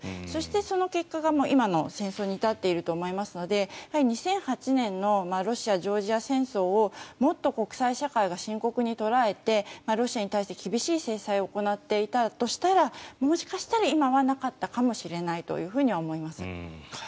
そして、その結果が今の戦争に至っていると思いますので２００８年のロシア・ジョージア戦争をもっと国際社会が深刻に捉えてロシアに対して厳しい制裁を行っていたとしたらもしかしたら今はなかったかもしれないとは思います。